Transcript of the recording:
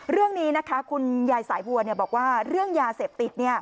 เรื่องนี้นะคะคุณยายสายบัวบอกว่าเรื่องยาเสพติด